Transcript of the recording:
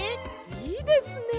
いいですね。